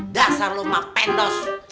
dasar lo mah pendos